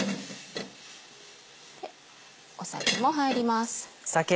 酒も入ります。